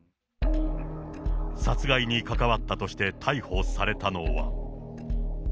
殺害に関わったとして逮捕されたのは。